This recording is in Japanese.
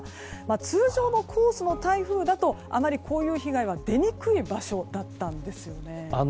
通常のコースの台風だとあまりこういう被害は出にくい場所だったんですよね。